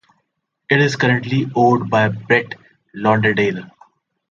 It is currently owned by Brett Lauderdale.